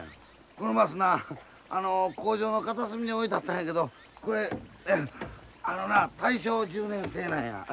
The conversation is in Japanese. このバスなあの工場の片隅に置いてあったんやけどこれあのな大正１０年製なんや。